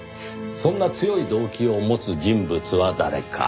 そんな強い動機を持つ人物は誰か。